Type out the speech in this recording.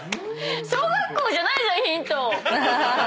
小学校じゃないじゃんヒント！